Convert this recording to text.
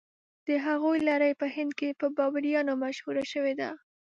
د هغوی لړۍ په هند کې په بابریانو مشهوره شوې ده.